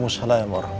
assalamualaikum wr wb